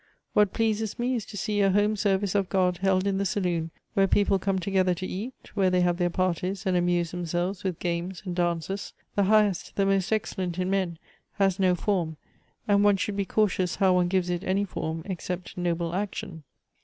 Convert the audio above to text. What pleases me is to see a home service of God held in the saloon where people come together to eat, where they have their parties, and amuse themselves with games and dances. The highest, the most excellent in men, has no form; and one should be cautious how one gives it any form except noble action."